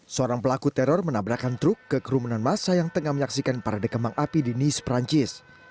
seorang pelaku teror menabrakan truk ke kerumunan masa yang tengah menyaksikan parade kembang api di nis perancis